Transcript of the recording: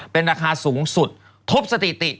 เป็นราคาสูงสุดทบสถิติ